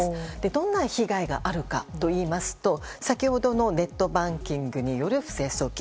どんな被害があるかといいますと先ほどのネットバンキングによる不正送金。